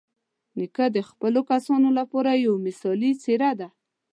نیکه د خپلو کسانو لپاره یوه مثالي څېره ده.